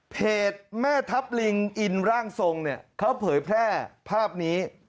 เพจแม่ทัพลิงอินร่างทรงเนี่ยเขาเผยแพร่ภาพนี้